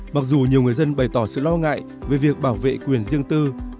mặc dù nhiều người dân bày tỏ sự lo ngại về việc bảo vệ quyền riêng tư